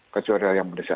kejualan yang beres